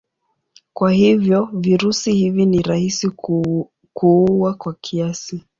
Kwa hivyo virusi hivi ni rahisi kuua kwa kiasi.